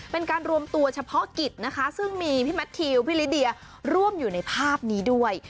เป็นการรวมตัวเฉพาะกิจนะคะซึ่งมีพี่แมททิวพี่ลิเดียร่วมอยู่ในภาพนี้ด้วย